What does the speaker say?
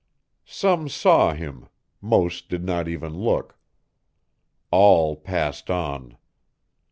Some saw him, most did not even look: all passed on.